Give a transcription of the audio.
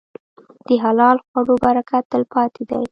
د حلال خوړو برکت تل پاتې دی.